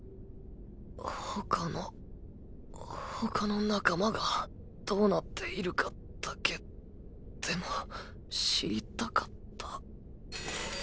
ほかのほかの仲間がどうなっているかだけでも知りたかった。